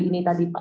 dari ini tadi pak